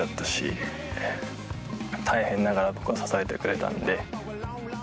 大変ながら僕を支えてくれたんで。